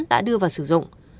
đã đưa vào sử dụng